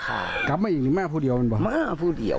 กรับมาอยู่หรือฮุเดี๋ยวมาพูดเดี๋ยว